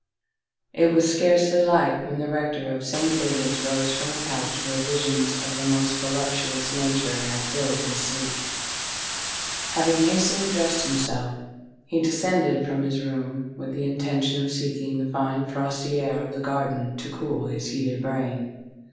It was scarcely light when the rector of Saint David's rose from a couch where visions of a most voluptuous nature had filled his sleep. Having hastily dressed himself, he descended from his room with the intention of seeking the fine frosty air of the garden to cool his heated brain.